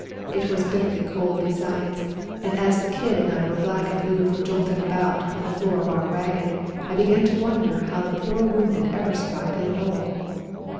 It was bitterly cold besides, and as the Kid and I were black and blue from jolting about on the floor of our wagon I began to wonder how the poor wounded ever survived it at all.